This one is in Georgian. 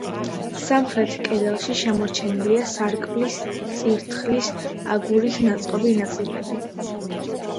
სამხრეთ კედელში შემორჩენილია სარკმლის წირთხლის აგურით ნაწყობი ნაწილები.